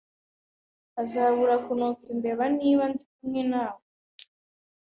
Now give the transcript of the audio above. Azabura kunuka imbeba niba ndi kumwe nawe